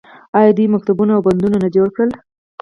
آیا دوی مکتبونه او بندونه نه جوړ کړل؟